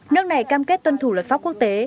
nước này cam kết tuân thủ luật pháp quốc tế